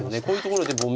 こういうところで。